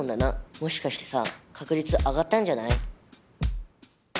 もしかしてさ確率上がったんじゃない？